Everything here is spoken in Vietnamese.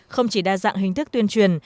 không chỉ đa dạng hình thức tuyên truyền